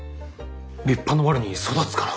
立派なワルに育つかな。